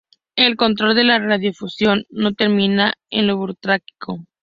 El control de la radiodifusión no terminaba en lo burocrático.